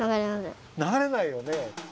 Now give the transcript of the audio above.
ながれないよね。